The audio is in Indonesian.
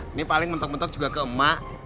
ini paling mentok mentok juga ke emak